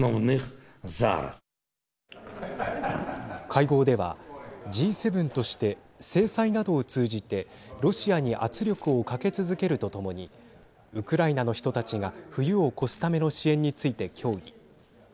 会合ではＧ７として制裁などを通じてロシアに圧力をかけ続けるとともにウクライナの人たちが冬を越すための支援について協議。